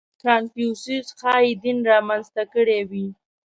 • کنفوسیوس ښایي دین را منځته کړی وي.